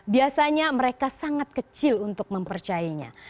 biasanya mereka sangat kecil untuk mempercayainya